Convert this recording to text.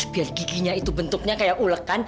biar giginya itu bentuknya kayak ulekan